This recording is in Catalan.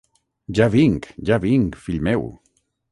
Ja vinc, ja vinc, fill meu!